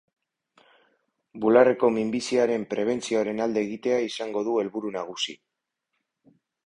Bularreko minbiziaren prebentzioaren alde egitea izango du helburu nagusi.